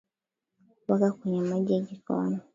Weka kwenye maji ya jikoni